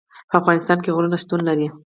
په افغانستان کې غرونه شتون لري.